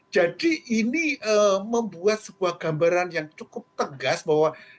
jadi ini membuat sebuah gambaran yang cukup tegas bahwa